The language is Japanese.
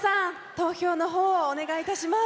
投票のほうをお願いいたします。